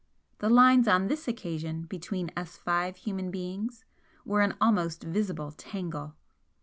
The lines on this occasion between us five human beings were an almost visible tangle.